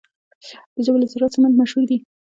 د جبل السراج سمنټ مشهور دي